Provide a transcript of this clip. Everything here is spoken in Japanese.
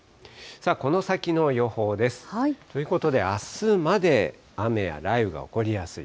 この先の予報です。ということで、あすまで雨や雷雨が起こりやすい。